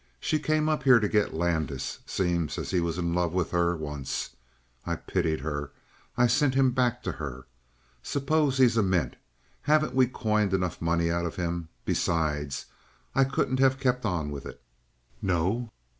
She came up here to get Landis; seems he was in love with her once. And I pitied her. I sent him back to her. Suppose he is a mint; haven't we coined enough money out of him? Besides, I couldn't have kept on with it." "No?"